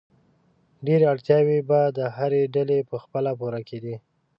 ډېری اړتیاوې به د هرې ډلې په خپله پوره کېدې.